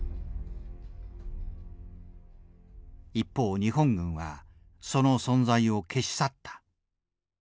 一方日本軍はその存在を消し去った。